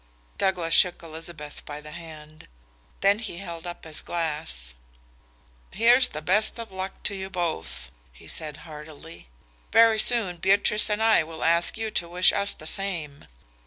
Douglas shook Elizabeth by the hand. Then he held up his glass. "Here's the best of luck to you both!" he said heartily. "Very soon Beatrice and I will ask you to wish us the same.